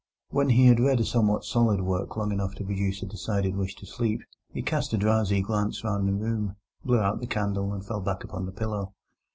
When he had read a somewhat solid work long enough to produce a decided wish for sleep, he cast a drowsy glance round the room, blew out the candle, and fell back upon the pillow.